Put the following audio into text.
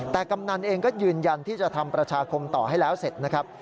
แต่กำนันเองก็ยืนยันที่จะทำประชาคมต่อให้แล้วเสร็จนะครับ